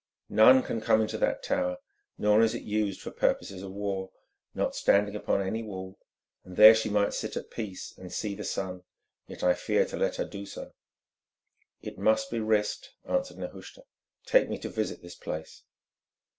None can come into that tower, nor is it used for purposes of war, not standing upon any wall, and there she might sit at peace and see the sun; yet I fear to let her do so." "It must be risked," answered Nehushta. "Take me to visit this place."